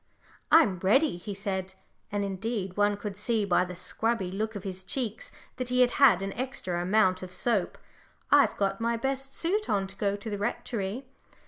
"I'm ready," he said, and indeed one could see by the scrubby look of his cheeks that he had had an extra amount of soap. "I've got my best suit on to go to the Rectory."